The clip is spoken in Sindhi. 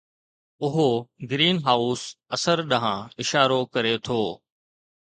اهو گرين هائوس اثر ڏانهن اشارو ڪري ٿو